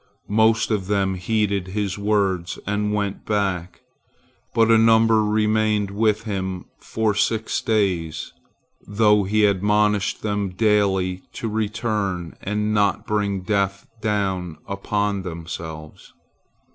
Most of them heeded his words and went back, but a number remained with him for six days, though he admonished them daily to return and not bring death down upon themselves.